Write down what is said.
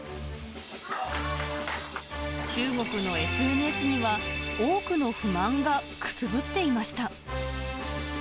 中国のＳＮＳには、多くの不満がくすぶっていました。